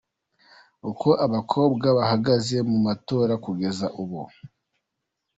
Uko abakobwa bahagaze mu matora kugeza ubu:.